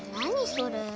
それ。